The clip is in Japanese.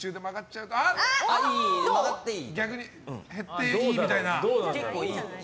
減って、いいみたいな。